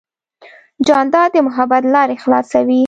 جانداد د محبت لارې خلاصوي.